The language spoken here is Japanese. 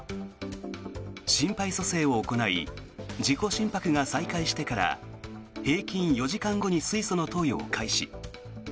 心肺蘇生を行い自己心拍が再開してから平均４時間後に水素の投与を開始。